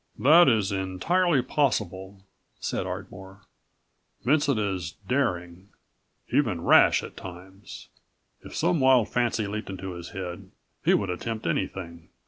"That is entirely possible," said Ardmore. "Vincent is daring, even rash at times. If some wild fancy leaped into his head, he would attempt anything.